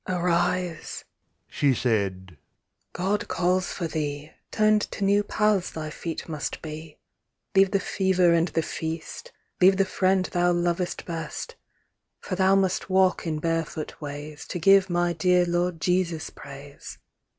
"Arise," she said "God calls for thee, Turned to new paths thy feet must be. Leave the fever and the feast Leave the friend thou lovest best: For thou must walk in barefoot ways, To give my dear Lord Jesus praise."